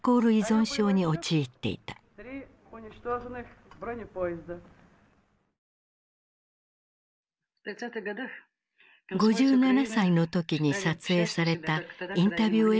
５７歳の時に撮影されたインタビュー映像が残されている。